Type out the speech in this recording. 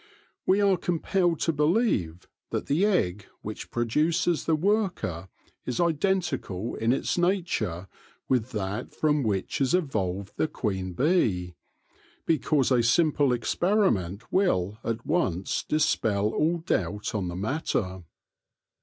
We are compelled to believe that the egg which produces the worker is identical in its nature with that from which is evolved the queen bee, because a simple experiment will at once dispel all doubt on the matter.